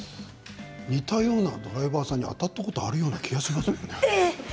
似たようなドライバーさんにあたったことがあるような気がする。